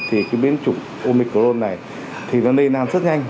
thì cái biến chủng omicron này thì nó nây nan rất nhanh